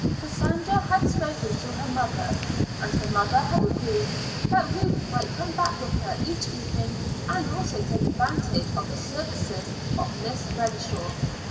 Cassandra had spoken to her mother, and her mother had agreed that Ruth might come back with her each evening and also take advantage of the services of Miss Renshaw.